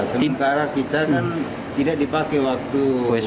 sementara kita kan tidak dipakai waktu